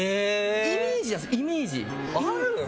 イメージです、イメージ。